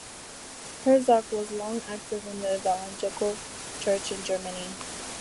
Herzog was long active in the Evangelical Church in Germany.